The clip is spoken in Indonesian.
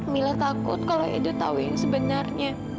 mila takut kalau edo tahu yang sebenarnya